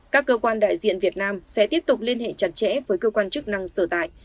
các cơ quan đại diện việt nam sẽ tiếp tục liên hệ chặt chẽ với cơ quan chức năng sở tại